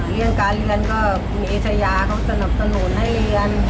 เรื่องการเรียนก็คุณเอชายาเขาสนับสนุนให้เรียน